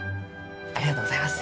ありがとうございます。